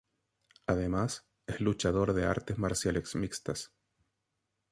Además es luchador de artes marciales mixtas.